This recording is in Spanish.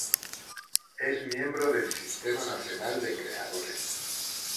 Es miembro del Sistema Nacional de Creadores.